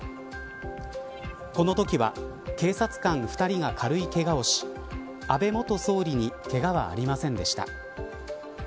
このときは警察官２人が軽いけがをし安倍元総理にけがはありませんでした。